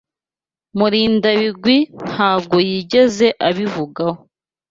Murindabigwi ntabwo yigeze abivugaho.